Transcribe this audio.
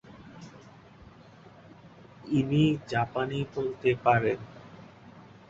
ইনি জাপানি বলতে পারেন।